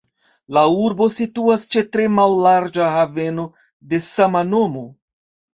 La urbo situas ĉe tre mallarĝa haveno de sama nomo.